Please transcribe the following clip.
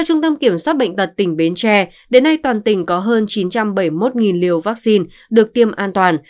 còn soát bệnh tật tỉnh bến tre đến nay toàn tỉnh có hơn chín trăm bảy mươi một liều vaccine được tiêm an toàn